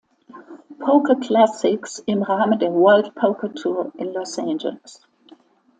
Poker Classics" im Rahmen der "World Poker Tour" in Los Angeles.